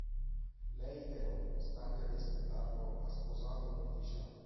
Lei però, stanca di aspettarlo, ha sposato un ufficiale.